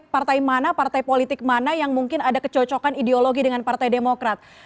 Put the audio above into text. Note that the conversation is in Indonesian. partai mana partai politik mana yang mungkin ada kecocokan ideologi dengan partai demokrat